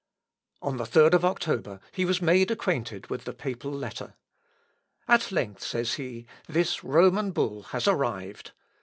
On the third of October he was made acquainted with the papal letter. "At length," says he, "this Roman bull has arrived.